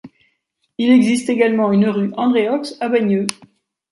Il existe également une rue André-Ox à Bagneux.